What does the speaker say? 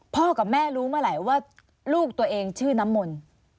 กับแม่รู้เมื่อไหร่ว่าลูกตัวเองชื่อน้ำมนต์